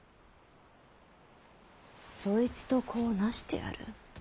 そいつと子をなしてやる。